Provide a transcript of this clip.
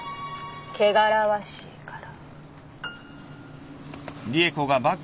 汚らわしいから。